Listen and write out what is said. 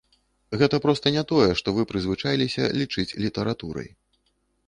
Гэта проста не тое, што вы прызвычаіліся лічыць літаратурай.